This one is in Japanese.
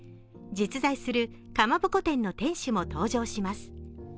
実在するかまぼこ店の店主も登場します。